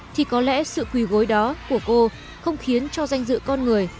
thì có lẽ sự quỳ gối đó của cô không khiến cho danh dự con người